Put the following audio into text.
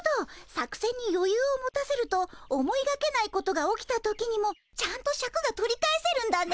作せんによゆうを持たせると思いがけないことが起きた時にもちゃんとシャクが取り返せるんだね。